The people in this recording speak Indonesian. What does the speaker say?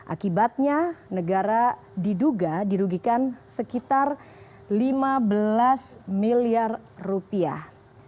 akibatnya negara diduga dirugikan sekitar lima belas miliar rupiah